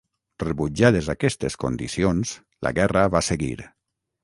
Rebutjades aquestes condicions la guerra va seguir.